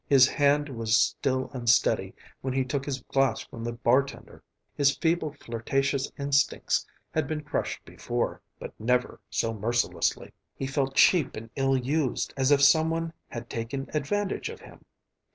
His hand was still unsteady when he took his glass from the bartender. His feeble flirtatious instincts had been crushed before, but never so mercilessly. He felt cheap and ill used, as if some one had taken advantage of him.